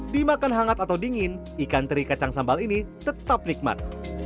dimakan hangat atau dingin ikan teri kacang sambal ini tetap nikmat